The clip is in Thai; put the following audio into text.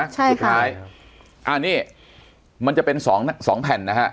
ใช่ค่ะคือที่ยุคก็คราวตรงไปใช่ไหมละใช่ค่ะอันนี้มันจะเป็น๒แผ่นนะฮะ